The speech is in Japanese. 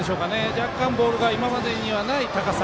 若干ボールが今までにない高さ。